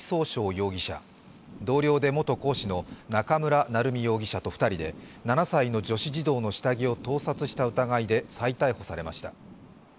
容疑者、同僚で元講師の中村成美容疑者と２人で７歳の女子児童の下着を盗撮した疑いで再逮捕されました。